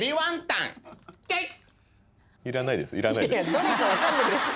要らないです